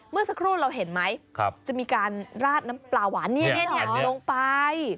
เมื่อสักครู่เราเห็นไหมจะมีการราดน้ำปลาหวานลงไป